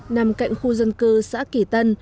nằm cạnh khu dân cư xã kỳ tân